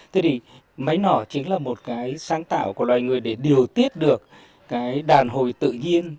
thế thì máy nỏ chính là một cái sáng tạo của loài người để điều tiết được cái đàn hồi tự nhiên